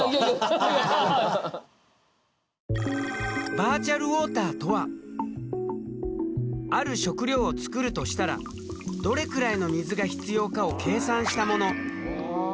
バーチャルウォーターとはある食料を作るとしたらどれくらいの水が必要かを計算したもの。